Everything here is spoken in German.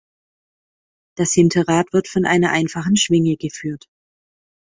Das Hinterrad wird von einer einfachen Schwinge geführt.